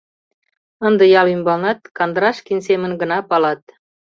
Ынде ял ӱмбалнат Кандрашкин семын гына палат.